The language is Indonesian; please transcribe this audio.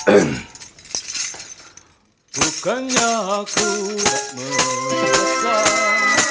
itukah apapun itu yang pula pilihannya ini